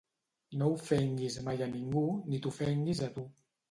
No ofenguis mai a ningú, ni t'ofenguis a tu.